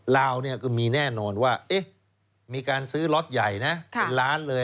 ลาวก็มีแน่นอนว่ามีการซื้อรถใหญ่๑ล้านเลย